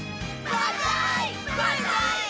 バンザーイ！